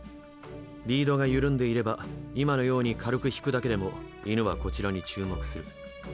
リードが緩んでいれば今のように軽く引くだけでも犬はこちらに注目する。